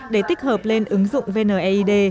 để tích hợp lên ứng dụng vneid